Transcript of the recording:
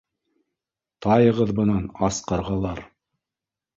— Тайығыҙ бынан, ас ҡарғалар!